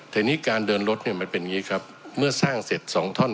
ทีนี้การเดินรถเนี่ยมันเป็นอย่างนี้ครับเมื่อสร้างเสร็จสองท่อน